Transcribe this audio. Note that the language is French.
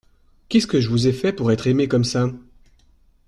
Qu’est-ce que je vous ai fait pour être aimé comme ça ?